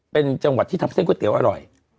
เป็นจังหวัดที่ทำเส้นก๋วเตี๋ยอร่อย